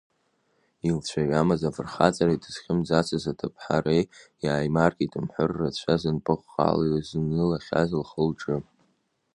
Илцәаҩамыз афырхаҵареи дызхьымӡацыз аҭыԥҳареи иааимаркит мҳәыр рацәа зынпыҟҟала изнылахьаз лхы-лҿы.